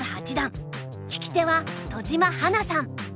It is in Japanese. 聞き手は戸島花さん。